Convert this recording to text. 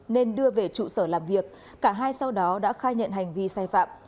nên đưa về trụ sở làm việc cả hai sau đó đã khai nhận hành vi sai phạm